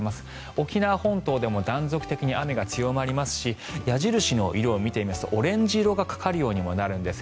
沖縄本島でも断続的に雨が強まりますし矢印の色を見てみますとオレンジ色がかかるようにもなるんです。